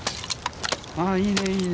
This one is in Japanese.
あいいねいいね。